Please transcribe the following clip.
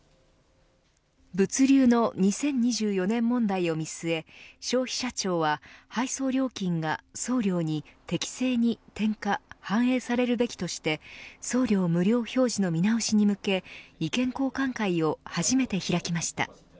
物流の２０２４年問題を見据え消費者庁は配送料金が送料に適正に転嫁、反映されるべきとして送料無料表示の見直しに向け意見交換会を初めて開きました。